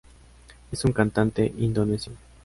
Es un cantante indonesio.